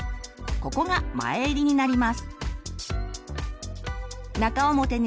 ここが前襟になります。